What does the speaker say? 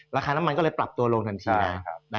ราคาน้ำมันก็เลยปรับตัวลงทันทีนะ